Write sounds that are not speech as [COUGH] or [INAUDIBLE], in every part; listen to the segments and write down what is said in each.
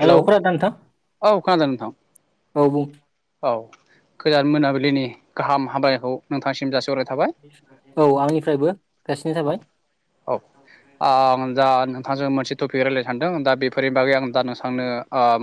Hello खोनादोंना नोंथां? औ खोनादों नोंथां। औ बुं औ गोदान मोनाबिलिनि गाहाम हामग्लायनायखौ नोंथांसिम जासिग औ आंनिफ्रायबो जासिनाय औ थाबाय। औ। आं दा नोंथांजों मोनसे टपिक रायज्लायनो सानदों दा बेफोरनि बागै आं दा नोंथांनो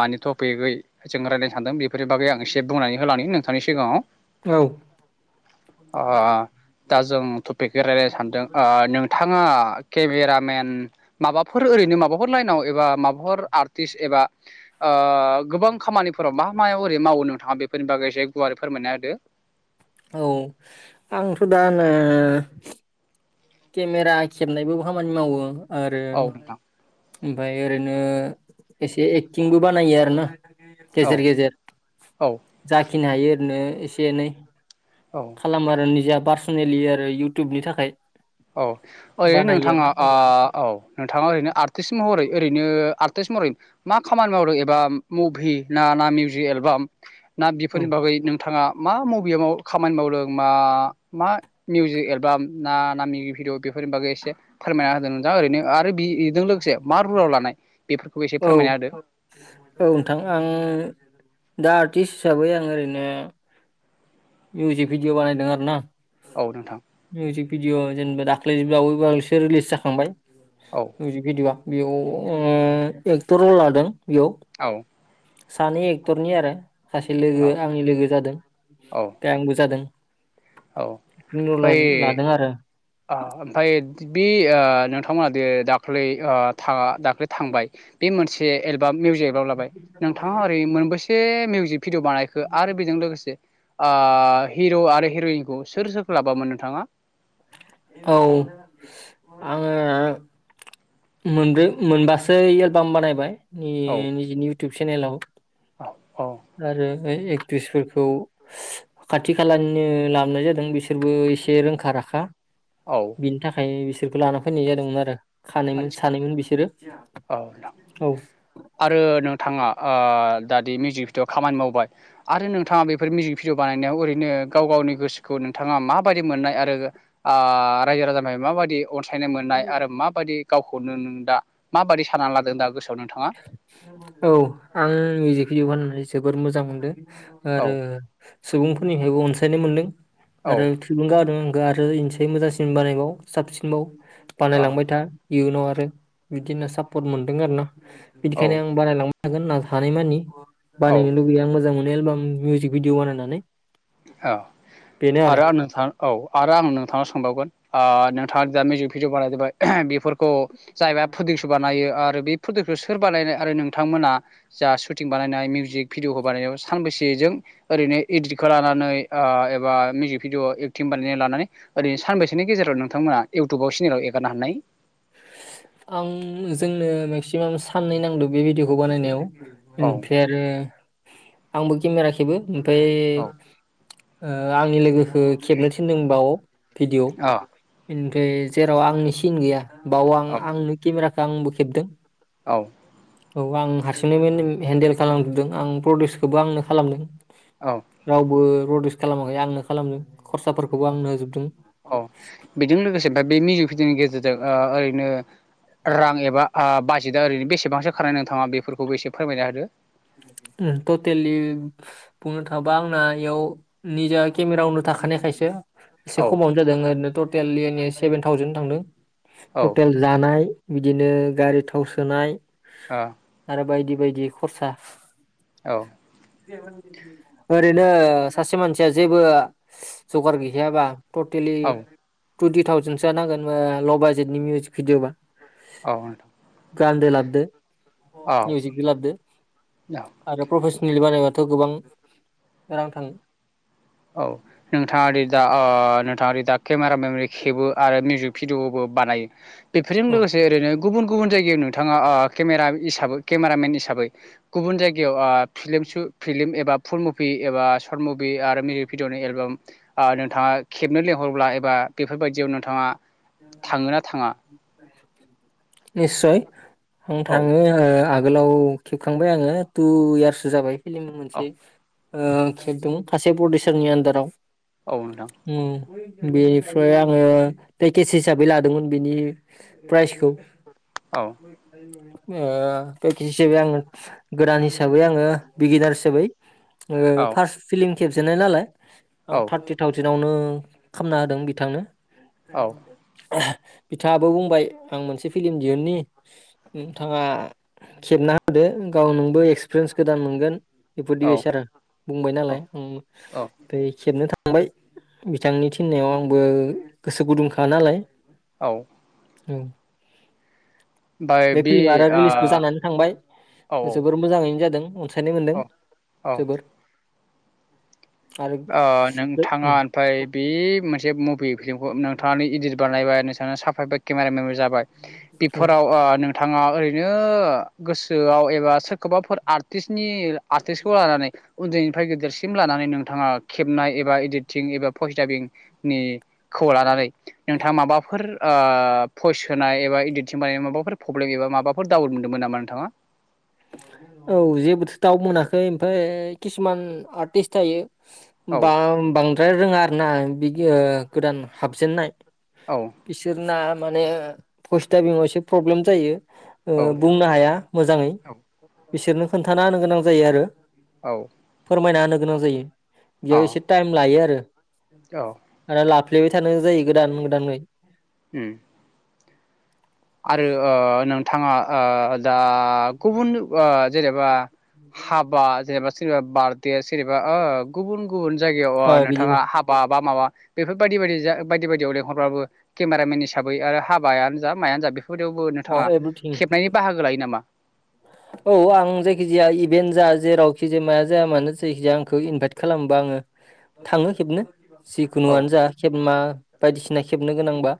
मानि थ' पिगै जों रायलायनो सानदों बेफोर बाग जे बुंनानै होलांनि नोंथांनि सिगाङाव औ ओ दा जों टपिकखौ रायलायनो सानदों ओ नोंथाङा केमेरामेन माबाफोर ओरैनो माबाफोर लाइनाव एबा माबाफोर आर्टिस्ट एबा ओ गोबां खामानिफोराव मा मायाव ओरै मावो नों आ बेफोरनि बागै एसे गुवारै फोरमायना होदो। औ आंथ' दा नो केमेरा खेबनायबो खामानि मावो आरो औ नोंथां ओमफ्राय ओरैनो एसे एक्टिंबो बानायो आरोना। गेजेर औ गेजेर औ जाखिनि हायो ओरैनो एसे एनै औ खालामो आरो निजा पार्सनेलि आरो इउटुबनि थाखाय। औ ओरै बानायो नोंथाङा आं ओ औ नोंथाङा ओरैनो आर्टिस्ट महरै ओरैनो आर टिस महरै मा खामानि मावदों एबा मुभि ना ना मिउजिक एलबाम ना औ बेफोरनि बागै नोंथाङा मा मबेयाव खामानि मावदों मा मा मिउजिक एलबाम ना ना [UNINTELLIGIBLE] भिडिअ बेफोरनि बागै एसे फोरमायना होदों नोंथां ओरैनो आरो बेजों लोगोसे मा रलाव लानाय बेफोरखौबो एसे फोरमायना होदो। थां आं दा आर्टिस्ट हिसाबै आं ओरैनो मिउजिक भिडिअ' बानायदों आरो ना। औ नोंथां। मिउजिक भिडिअ' जेनेबा दाख्लै बावै-बावैसो रिलिस जाखांबाय औ मिउजिक भिडिअ'आ। बेयाव उम एक्टर लादों बेयाव औ सानै एक्टरनि आरो सासे औ लोगो आंनि लोगो जादों औ ओमफ्राय आंबो जादों औ एक्टिं रल लादों आरो [UNINTELLIGIBLE] आ ओमफाय बे आ नोंथांमोना दे दाख्लै आ था दाख्लै थांबाय बे मोनसे एलबाम मिउजिक एलबाम लाबाय नोंथांङा ओरै मोनबेसे मिउजिक भिडिअ बानायखो आरो बेजों लोगोसे? आ हिर' आरो हिर'इनखौ सोर सोरखौ लाबोआमोन नोंथांङा? औ आंङो मोनब्रै मोनबासो एलबाम बानायबाय औ निजिनि इउटुब चेनेलाव औ। औ आरो ओ एक्ट्रिसफोरखौ खाथि खालानिनो लाबोनाय जादों बिसोरबो एसे रोंखा राखा। औ बिनि थाखायनो बिसोरखौ लाना फैनाय जादोंमोन आरो। खानैमोन आदसा सानैमोन बिसोरो औ। नोंथांङा ओ दाादि मिउजिक भिडिअ खामानि मावबाय आरो नोंथांङा बेफोर मिउजिक भिडिअ बानायनायाव ओरैनो। गाव गावनि गोसोखौ नोंथांङा माबायदि मोननाय आरो आ रायजो राजानिफ्राय माबायदि अनसायनाय मोननाय आरो माबायदि गावखौनो नों दा माबाददि सानना लादों दा गोसोआव? नोंथाङा औ आं मिउजिक भिडिअ बानायनानै जोबद मोजां मोनदों। औ आरो सुबुंफोरनिफ्रायबो अनसायनाय मोनदों औ आरो थुलुंगाहोदों आरो इनोसै मोजांसिन बानायबाव साबसिनबाव औ बानायलांबाय था इयुनाव आरो बिदिनो सापर्ट मोनदों आरो ना औ बिदिखायनो आं बानायलांबाय हागोन हानाय मानि औ बानायनो लुगैयो आं मोजां मोनो एलबाम मिउजिक भिडिअ बानायनानै औ आरो आं नोंथां औ आरो आं नोंथांनाव सोंबावगोन आ नोंथांङादि दा मिउजिक भिडिअ बानायदोंबाय बेफोरखौ जायबाय प्रदिक्स बानायो आरो। बे फ्रदिउसखौ सोर बानायनाय आरो नोंथांमोना जा सुटिं बानायनाय मिउजिक भिडिअखौ बानायनायाव सानबैसे जों जों ओरैनो इद्रिगजों खौ लानानै एबा मिउजिक भिडिय' एक्टिं बानायनानै लानानै ओरैनो सानबैसोनि गेजेराव नोंथांमोना इउटुबाव सिनेलाव एगारनो हानाय आं जोंनो मेक्सिमाम साननै नांदों बे भिडिअखौ बानायनायाव औ ओमफ्राय आरो आंबो केमेराखेबो ओमफाय औ ओ आंनि लोगोखौ खेबनो थिनदों बाव भिडिअ' अ ओमफ्राय जेराव आंनि सिन गैया बाव आं औ आंनो केमेराखौ आंबो खेबदों औ। औ आं हारसिंङै हेन्देल खालामथदों आं प्रडिउसखौबो आंनो खालामदों औ रावबो रडिस खालामाखै आंनो खालामदों खरसाफोरखौबो आंनो होजोबदों औ बेजों लोगोसे बे बे मिउजिक भिडिअनि गेजेरजों ओ ओरैनो रां एबा आ बाजेटआ ओरैनो बेसेबांसो खारनाय नोंथांङा बेफोरखौबो एसे फोरमायना होदो। उम टटेलि बुंनो थांङोबा आंना इयाव निजा केमेरावनो थाखाय खानाय खायसो। एसे औ खमावनो जादों ओरैनो टटेलै सेभेन थावजेन थांदों औ टटेल जानाय बिदिनो गारि थाव सोनाय आरो बायदि बायदि खरसा औ। ओरैनो सासे मानसिया जेबो जगार गैखायाबा। टटेलि औ टुइन्टि थावजेनसोआ नांगोन ओ ल' बाजेटनि मिउजिक भिडिअबा औ गान्दो लाबदो औ मिउजिकदो लाबदो।। औ आरो प्रफेसनेलि बानायबाथ' गोबां रां थांङो औ नोंथांङादि दा ओ नोंथांङादि दा केमेरा मेम'रि खेबो आरो मिउजिक भिडिअबो बानायो बेफोरजों औ लोगोसे ओरैनो गुबुन गुबुन जायगायाव नोंथांङा ओ केमेरा हिसाबै केमेरामेन हिसाबै गुबुन जायगायाव आ फिलिम सो फिलिम एबा फुलमुभि एबा सवर्त आरो माउजिक भिडिअ'नि एलबाम ओ नोंथाङा खेबनो लेंहरब्ला एबा बेफोरबायदियाव नोंथाङा थाङो ना थाङा [INAUDIBLE] निस्सय आं औ थाङो आगोलाव खेबखांबाय आङो टु इयार्ससो जाबाय। फिलिम औ मोनसे ओ आं खेबदोंमोन सासे प्रडिउसारनि आन्दाराव औ नोंथां उम बेनिफ्राय आङो पेकेज हिसाबै लादोंमोन बेनि प्राइसखौ औ ओ पेकेज हिसाबै आङो गोदान हिसाबै आङो बिगिनार हिसाबै। औ ओ फार्स्ट फिलिम खेबजेननाय नालाय आं औ थारटि थावजेन नावनो खालामना होदों बिथांनो। बिथाङाबो बुंबाय आं मोनसे फिलम दिहुननि नोंथाङा खेबना होदो। गाव नोंबो एक्सपिरिेन्स गोदान मोनगोन। बे औ प्रदिसारा बुंबाय नालाय उम औ बे खेबनो थां थांबाय बिथांनि थिननायाव आंबो गोसो गुदुंखा नालाय औ उम बे ओ औ फिल्मा आरो रिलिसबो जानानै थांबाय। जोबोर मोजाङैनो जादों अनसायनाय औ मोनदों औ जोबोर आरो ओ नोंथाङा उम ओमफ्राय बे मोनसे मुभि फिल्मखौ नोंथाङानो इदित बानायबाय नोंथाङानो साफायबाय केमेरा मेन जाबाय औ बेफोराव ओ नोंथाङा ओरैनो गोसोआव एबा सोर खौबाफोर आरटिसनि आर्टिस्टखौ लानानै उन्दैनिफ्राय गिदेरसिम लानानै नों थाङा खेबनाय एबा इडिटिं एबा पस्टारिंनि खौ लानानै नोंथाङा माबाफोर ओ भइस होनाय एबा इडिटिं बानायनाय माबाफोर प्रब्लेम एबा माबाफोर डाउट मोनदोंमोन नामा नोंथाङा? औ जेबोथ' दाउड मोनाखै ओमफ्राय किसुमान आर्टिस्ट थायो औ बा बांद्राय रोङा आरो ना बि गोदान हाबजेननाय औ बिसोरना माने फस्थाव बिमाव एसे प्रब्लेम जायो। ओ औ नोंथां बुंनो हाया मोजाङै औ बिसोरनो खोन्थाना होनो गोनां जायो आरो औ फोरमायना होनो गोनां जायो। औ बेयाव एसे टाइम लायो आरो औ आरो लाफ फफ्लेबाय थानो जायो गोदान गोदानै उम आरो ओ नोंथाङा ओ दा गुबुन ओ जेनेबा हाबा जेनेबा सोरनिबा बारडे सोरनिबा ओ गुबुन गुबुन जायगायाव ओ अ बिदिनो नोंथाङा हाबा बा माबा बेफोर बायदि बायदि जा बायदि बायदियाव लेंहरबाबो केमेरामेन हिसाबै आरो हाबायानो जा मायानो जा बेफोर यावबो अ नोंथाङा एभ्रिथिं खेबनायनि बाहागो लायो नामा? औ आं जायखिजाया इभेन्ट जा जेरावखि जाया मानो जायखिजाया आंखौ इनभाइट खालामबा आङो थाङो खेबनो औ जिखुनुआनो जा खेब मा बायदिसिना खेबनो गोनांबा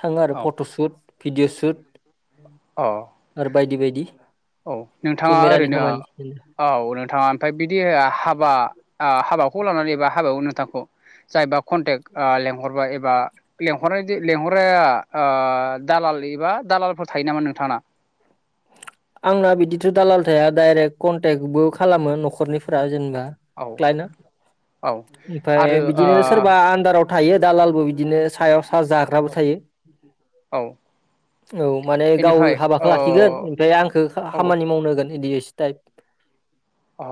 थाङो आरो औ फट'सुट भिडिअ' सुट औ आरो बायदि बायदि। औ नोंथाङा केमेरानि ओरैनो खामानि औ नोंथाङा ओमफ्राय बिदि हाबा ओ हाबाखौ लानानै एबा हाबायावनो नोंथांखौ जायबा कन्टेक ओ लेंहरबाय एबा लेंहरनाय लेंहरा ओ दालाल एबा दालालफोर थायो नामा नोंथाङा? [INAUDIBLE] आंना बिदिथ' दालाल थाया डाइरेक्ट कनटेक्टबो खालामो न'खरनिफोरा जेनेबा औ औ ओमफ्राय आरो ओ बिदिनो सोरबा आनदाराव थायो दालालबो बिदिनो सायाव जाग्राबो थायो औ औ माने गाव बेनिफ्राय औ हाबाखौ ला खिगोन ओमफ्राय आंखौ औ खामानि मावनो होगोन बिदि एसे टाइप औ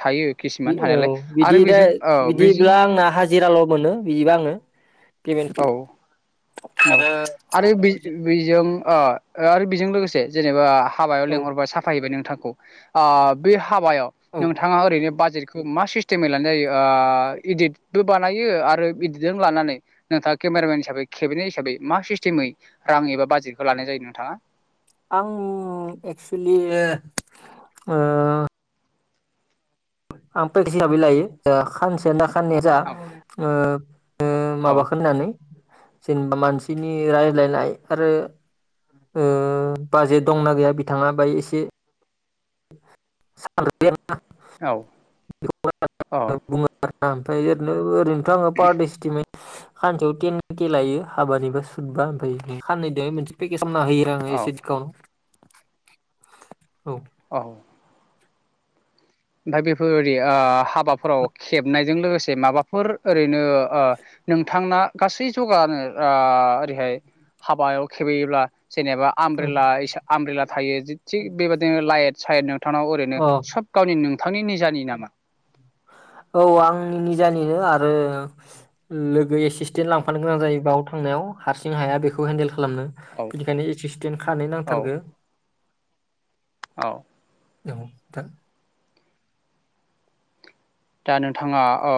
थायो किसुमान औ थानायालाय बिदि आरो दा बेजों अ बिदिब्ला बेजिं आंना हाजिराल' मोनो बिदिबा आङो औ पेमेन्टखौ औ आरो आरो बे बेजों अ आरो बेजों लोगोसे जेनेबा हाबायाव औ लेंहरबाय साफायैबाय नोंथांखौ अ बे हा हाबायाव औ नोंथाङा ओरैनो बाज इखौ मा सिस्टेमै लानाय जायो इदितबो बानायो आरो इदिटजों लानानै नोंथाङा केमेरामेन हिसाबै खेबैनाय हिसाबै मा सिस्टेमै रां एबा बाजेटखौ लानाय जायो नोंथाङा आं एक्सुलियो ओ आं प्रेक्टिस हिसाबै लायो जा खानसे खानै जा औ ओ औ माबाखौ होननानै जेनेबा मानसिनि रायज्लायनाय आरो ओ बाजेट दंना गैया बिथाङा बाय एसे [UNINTELLIGIBLE] औ आं औ बुङो ओमफ्राय ओरैनो ओरैथ आङो पारदे सिसतेमै खान्सेयाव टेनके लायो हाबानिफ्राय सुदबा ओमफ्राय खाननै दे मोनसे पेकेज खालामना होयो आङो औ एसेखम औ औ ओमफाय बेफोर ओरै आ हाबाफोराव खेबनायजों लोगोसे से माबाफोर ओरैनो ओ नोंथांना गासै जगानो आ ओरैहाय हाबायाव खेबोयोब्ला जेनेबा आमब्रेला आमब्रेला थायो थिग बेबायदिनो लायट सायत थानाव ओरैनो औ अ सब गावनि नोंथांनि निजानि नामा? औ आंनि निजानिनो आरो लोगो एसिसटेन्ट लांफानो गोनां जायो बाव थांनायाव हारसिं हाया बेखौ हेन्देल खालामनो औ बेनिखायनो एक्सिसडेन्ट खानै औ नांथारगो औ औ दा दा नोंथाङा अ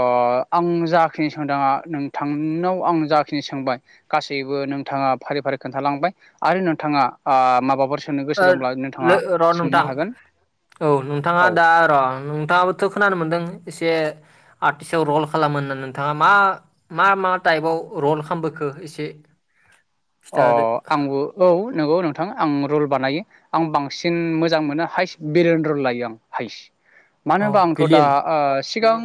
आं जाखिनि सोंदाङा नोंथांनाव आं जाखिनि सोंबाय गासैबो नोंथाङा फारि फारि खोन्थालांबाय आरो नोंथाङा आ माबाफोर होननो गोसो ओ दंब्ला नोंथाङा र' सोंनो नोंथां हागोन औ नोंथाङा औ दा र' नोंथाङाबोथ' खोनानो मोनदों एसे आर्टस्टआव रल खालामो होननानै नोंथाङा मा मा मा टाइपआव रल खालामबोखो खो एसे अ खिथादो आंबो औ नंगौ नोंथां आं रल बानायो आं बांसिन मोजां मोनो हाइस बिरेन रल लायो आं हाइस मानो अ होनबा आंथ' दा भिलियन ओ सिगांं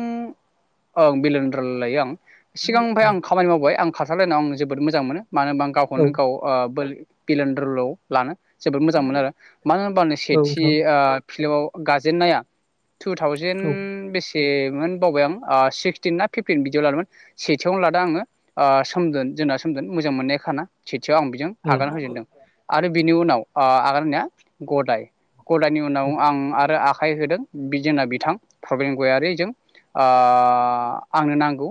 ओं बिलेन रल लायो आं सिगांनिफ्राय औ आं खामानि मावबाय आं खारसारलायनायाव आं जोबोद मोजां मोनो मानो होनबा आं औ गावखौनो गाव ओ बोल बिलेन रलाव लानो जोबोद मोजां मोनो आरो मानो होनबा आं सेथि नोंथां आ फिल्माव गाजेनन्नाया टु थावजेेन औ बेसे से मोन बावबाय आं सिक्सटिन ना फिफटिन बिदियाव लादोंमोन सेथियावनो लादों आङो सोमदोन जोंना सोमदोन मोजां मोननाया खाना खाथियाव आं बेजों औ आगान होजेनदों आरो बिनि उनाव अ आगान होनाया गदाय गदानि उनाव आं आरो आखाइ होदों बिजोंना बिथां प्रबिन गयारिजों आ आंनो नांगौ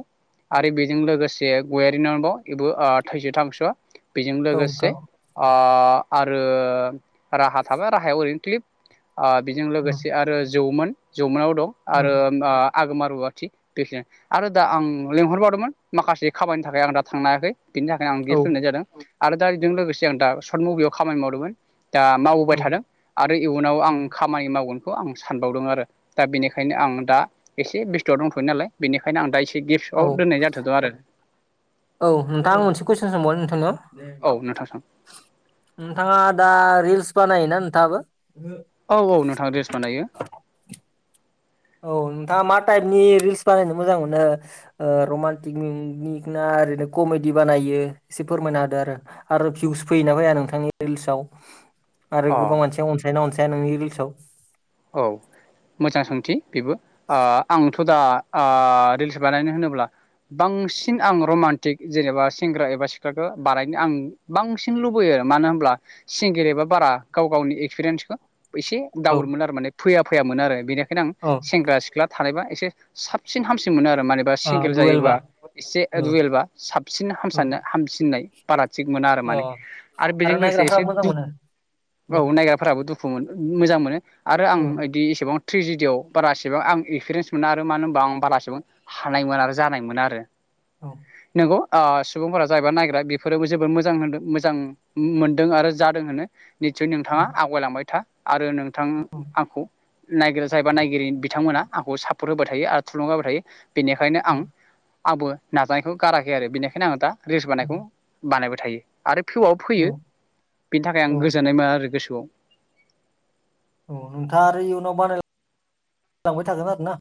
आरो बेजों लोगोसे गयारि नबाव बेबो आ थैस थांस' बेजों औ लोगोसे नोंथां आ आ आरो राहा थाबाय राहाया ओरैनो क्लिप आ बेजों औ लोगोसे आरो जौमोन जौमोनाव दं आरो औ आ आगोमा रुवाथि बेख आरो दा आं लिंहरबावदोंमोन माखासे खामानिानि थाखाय आं दा थांनो हायाखै बिनि थाखायनो नाय जादों आरो दा बेजों लोगोसे आं दा सशर्ट मुभियाव खामानि मावदोंमोन दा मावबोबाय थादों आरो इयुनाव आं खामानि मावगोन खौ आं सानबावदों आरो दा बेनिखायनो आं दा एसे बेस्थुआव दंथ'ययो नालाय बेनिखायनो आं दा एसे औ गिफ्टआव दोननाय जाथ'दों आरो औ नोंथां आं मोनसे कुइसन सोंबावनि नोंथांनियाव औ नोंथां नोंथाङा दा रिल्स बानायोना नोंथाङाबो औ औ नोंथां रिल्स बानायो औ नोंथाङा मा टाइपनि रिल्स बानायनो मोजां ओ मोनो रमान्टिक मिनिक ना ओरैनो कमेडि बानायो एसे फोरमायना होादों आरो आरो भिउस फैयोना फैया नोंथांनि रिल्सआव आरो अ गोबां मानसिया अनसायनाा अनसाया नोंनि रिल्सआव औ मोजां सोंथि बेबो ओ आंथ' दा ओ रिल्स ओ बानायनो होनोब्ला बांसिन आं रमान्टिक जेनेबा सेंग्रा एबा सिख्लाखौ बानायनो आं बांसिन लुबैयो मानो होमब्ला सिंगेरो बारा गाव गावनि एक्सपिरियेन्सखो। एसे औ दावर मोनमोन आरो माने फैया फैयामोन आरो बेनिखायनो आं औ सेंग्रा सिख्ला थानायबा एसे साबसिन हामसिन मोनो आरो। मानेबा ओ सिंगेल जायोबा दुवेलबा एसे औ दुयेलबा साबसिन [UNINTELLIGIBLE] औ हामसिननाय बारा। थिग मोना आरो अ माने आरो बेजों लोगोसे नायग्राफोरा एसे मोजां दुख मोनो औ नायग्राफोराबो दुख दुखु मोन मोजां मोनो आरो आं औ इदि एसेबां ट्रजिडियाव बारासेबां आं एक्सपिरियेन्स मोना आरो मानो होनबा आं बारासेबां हानायमोन आरो जानाय मोना आरो। औ नंगौ। ओ सुबुंफोरा जायबा नायग्रा बेफोरोबो जोबोद मोजां होनदों मोजां मोन्दों आरो जादों होनो। निस्सय नोंथाङा आवगायलांबाय था आरो नोंथां नाय जायबा नायगिरि बिथांमोना आंखौ सापर्ट होबाय थायो आरो थुलुंगा होबाय थायो। बेनिखायनो औ आं आंबो नाजानायखौ गाराखै आरो बेनिखायनो आं दा रिल्स बानायखौ बानायबाय थायो आरो फिउआव औ फैयो बेनि थाखाय आं औ गोजोननाय मा आरो गोसोआव दं। औ नोंथाङा आरो इयुनाव बारायलांबाय थागोन आरो ना?